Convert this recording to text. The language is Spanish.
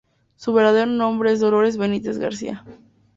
Su verdadero nombre es Dolores Benítez García.